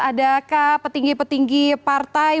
adakah petinggi petinggi partai